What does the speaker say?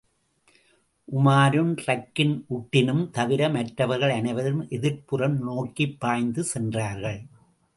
உமாரும் ரக்கின் உட்டினும் தவிர மற்றவர்கள் அனைவரும் எதிர்ப்புறம் நோக்கிப்பாய்ந்து சென்றார்கள்.